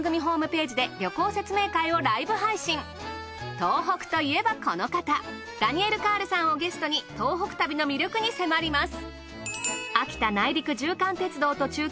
東北といえばこの方ダニエル・カールさんをゲストに東北旅の魅力に迫ります。